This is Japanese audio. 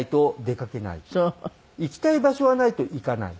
行きたい場所がないと行かない。